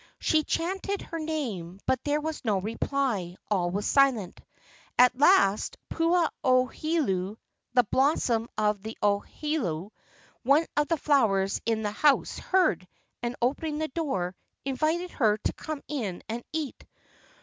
She chanted her name, but there was no reply. All was silent. At last, Pua ohelo (the blossom of the ohelo*), one of the flowers in the house, heard, and opening the door, invited her to come in and eat.